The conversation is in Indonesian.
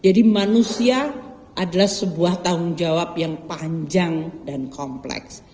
jadi manusia adalah sebuah tanggung jawab yang panjang dan kompleks